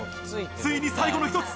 ついに最後の一つ。